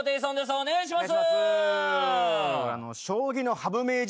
お願いします。